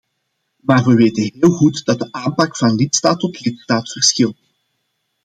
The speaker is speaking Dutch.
Maar we weten heel goed dat de aanpak van lidstaat tot lidstaat verschilt.